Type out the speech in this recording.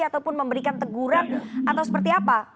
ataupun memberikan teguran atau seperti apa